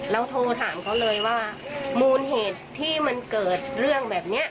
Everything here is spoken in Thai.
แล้วโทรถามเขาเลยว่ามูลเหตุที่มันเกิดเรื่องแบบนี้